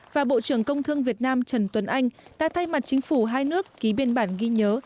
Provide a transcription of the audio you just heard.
và bộ trưởng công thương việt nam trần tuấn anh đã thay mặt chính phủ hai nước ký biên bản ghi nhớ